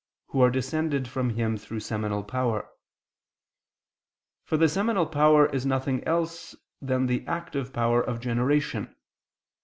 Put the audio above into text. who are descended from him through seminal power; for the seminal power is nothing else than the active power of generation.